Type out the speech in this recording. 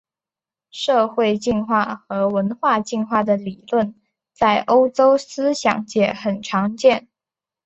社会进化和文化进化的理论在欧洲思想界很常见。